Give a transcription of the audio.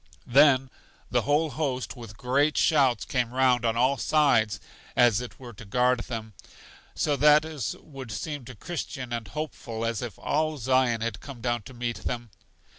Then the whole host with great shouts came round on all sides (as it were to guard them); so that is would seem to Christian and Hopeful as if all Zion had come down to meet them.